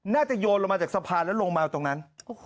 โยนลงมาจากสะพานแล้วลงมาตรงนั้น